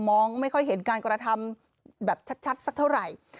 มองไม่ค่อยเห็นการกระทำแบบชัดสักเท่าไหร่